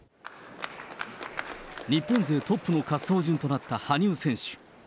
日本勢トップの滑走順となった羽生選手。